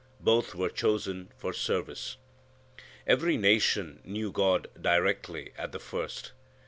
Both were chosen for service. Every nation knew God directly at the first.